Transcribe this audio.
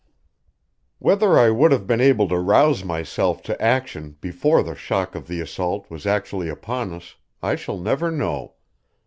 Whether I would have been able to rouse myself to action before the shock of the assault was actually upon us, I shall never know.